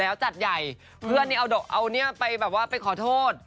แล้วจัดใหญ่เพื่อนนี่เอาดอกเอาเนี่ยไปแบบว่าไปขอโทษ